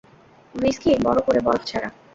Whisky, বড়ো করে, বরফ ছাড়া।